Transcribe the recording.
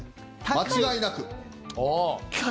間違いなく。